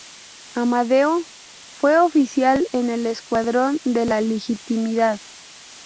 Amadeo fue oficial en el escuadrón de la Legitimidad.